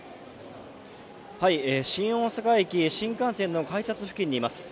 新大阪駅、新幹線の改札付近にいます。